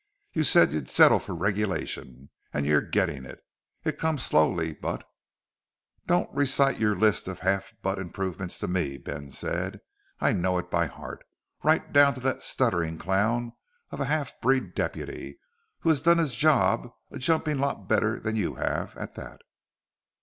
"You said you'd settle for regulation, and you're getting it. It's come slowly, but " "Don't recite your list of half butt improvements to me," Ben said. "I know it by heart right down to that stuttering clown of a half breed deputy, who has done his job a jumping lot better than you have, at that!"